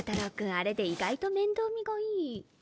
あれで意外と面倒見がいい